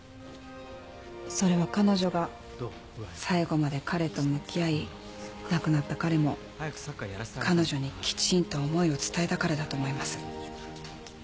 それは彼女が最後まで彼と向き合い亡くなった彼も彼女にきちんと思いを伝えたからだと思います。